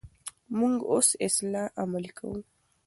موږ اوس اصلاح عملي کوو.